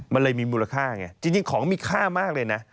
มันเลยมีมูลค่าไงจริงของมีค่ามากเลยนะ